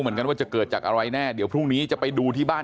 เหมือนกันว่าจะเกิดจากอะไรแน่เดี๋ยวพรุ่งนี้จะไปดูที่บ้าน